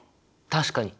確かに！